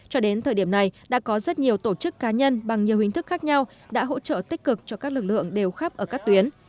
cho đến thời điểm này đã có rất nhiều tổ chức cá nhân bằng nhiều hình thức khác nhau đã hỗ trợ tích cực cho các lực lượng đều khắp ở các tuyến